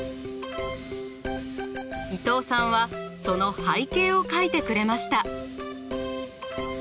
伊藤さんはその背景を描いてくれました。